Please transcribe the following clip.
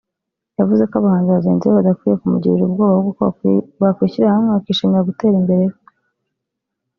yavuze ko abahanzi bagenzi be badakwiye kumugirira ubwoba ahubwo ko bakwishyira hamwe bakishimira gutera imbere kwe